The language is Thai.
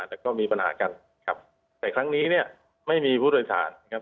แต่ก็มีปัญหากันครับแต่ครั้งนี้เนี่ยไม่มีผู้โดยสารนะครับ